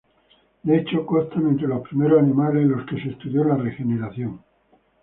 De hecho, constan entre los primeros animales en los que se estudió la regeneración.